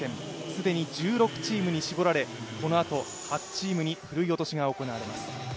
既に１６チームに絞られ、このあと８チームに振るい落としが行われます。